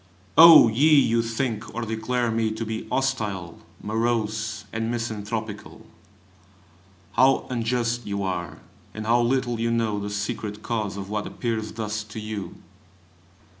Oh! ye who think or declare me to be hostile, morose, and misanthropical, how unjust you are, and how little you know the secret cause of what appears thus to you!